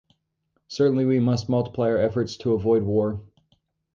Certainly we must multiply our efforts to avoid war.